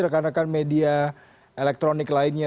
rekan rekan media elektronik lainnya